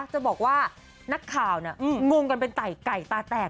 จะบอกว่านักข่าวงงกันเป็นไก่ไก่ตาแตก